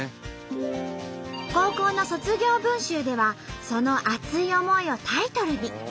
高校の卒業文集ではその熱い思いをタイトルに。